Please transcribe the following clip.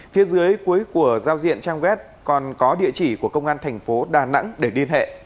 phía dưới cuối của giao diện trang web còn có địa chỉ của công an thành phố đà nẵng để liên hệ